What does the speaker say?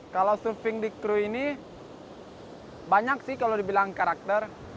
kalau surfing di kru ini banyak sih kalau dibilang karakter